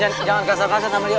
jangan kasar kasar sama dia